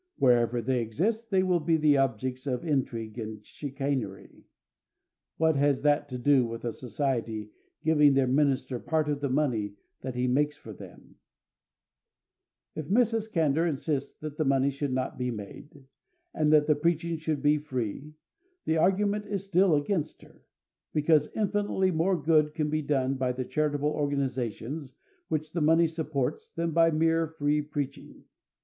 Wherever they exist they will be the objects of intrigue and chicanery. What has that to do with a society giving their minister part of the money that he makes for them? If Mrs. Candour insists that the money should not be made, and that the preaching should be free, the argument is still against her, because infinitely more good can be done by the charitable organizations which the money supports than by mere free preaching. Besides, the money to which she objects founds free churches and sustains free preaching.